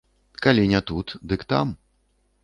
Калі не тут, дык там.